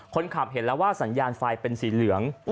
คนขับเห็นแล้วว่าสัญญาณไฟเป็นสีเหลือง